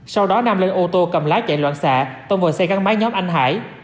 sau đó nam lên ô tô cầm lái chạy loạn xạ tông vào xe gắn máy nhóm anh hải